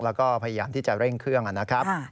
แล้วก็พยายามที่จะเร่งเครื่องนะครับ